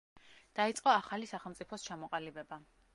დაიწყო ახალი სახელმწიფოს ჩამოყალიბება.